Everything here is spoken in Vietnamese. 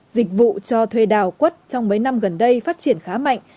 dịch vụ cho thuê đào quất trong mấy năm gần đây phát triển khá mạnh